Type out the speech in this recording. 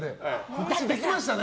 告知できましたね！